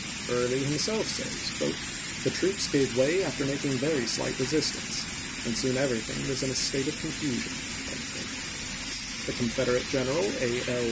Early himself says, "The troops gave way after making very slight resistance, and soon everything was in a state of confusion." The Confederate general, A. L.